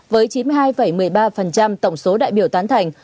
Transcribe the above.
với chín mươi hai một mươi ba tổng số đại biểu tán thành